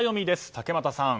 竹俣さん